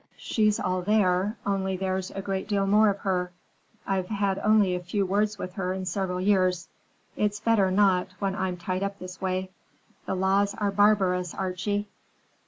She's all there, only there's a great deal more of her. I've had only a few words with her in several years. It's better not, when I'm tied up this way. The laws are barbarous, Archie."